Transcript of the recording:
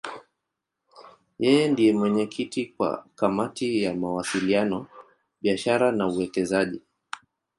Yeye ndiye mwenyekiti wa Kamati ya Mawasiliano, Biashara na Uwekezaji.